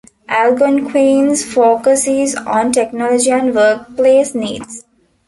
Algonquin's focus is on technology and workplace needs.